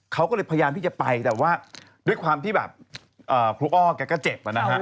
เขาก็เลยพยายามที่จะไปแต่ว่าด้วยความที่แบบครูอ้อแกก็เจ็บนะฮะ